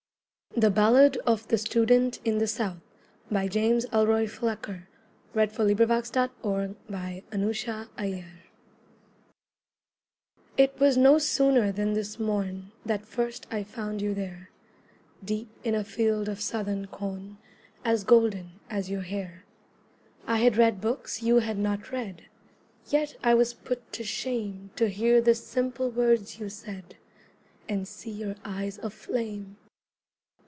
THE BALLAD OF THE STUDENT IN THE SOUTH It was no sooner than this morn That first I found you there, Deep in a field of southern corn As golden as your hair. I had read books you had not read, Yet I was put to shame To hear the simple words you said, And see your eyes aflame.